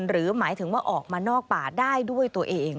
หมายถึงว่าออกมานอกป่าได้ด้วยตัวเอง